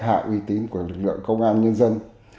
hạ uy tín của lực lượng công an nhân dân